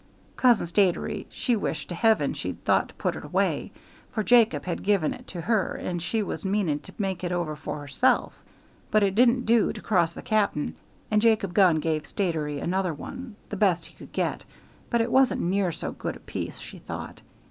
Cousin Statiry she wished to heaven she'd thought to put it away, for Jacob had given it to her, and she was meaning to make it over for herself; but it didn't do to cross the cap'n and Jacob Gunn gave Statiry another one the best he could get, but it wasn't near so good a piece, she thought.